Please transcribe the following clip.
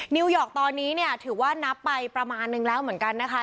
นิวยอร์กตอนนี้เนี่ยถือว่านับไปประมาณนึงแล้วเหมือนกันนะคะ